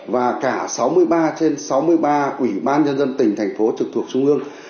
và cả sáu mươi ba trên sáu mươi ba ủy ban nhân dân tỉnh thành phố trực thuộc trung ương